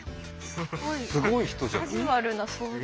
すごい人じゃん。